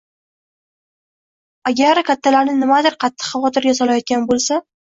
Agar kattalarni nimadir qattiq xavotirga solayotgan bo‘lsa